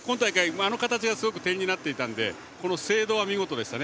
あの形がすごく点になっていたので精度は見事でしたね。